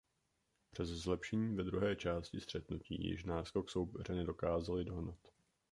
Přes zlepšení ve druhé části střetnutí již náskok soupeře nedokázali dohnat.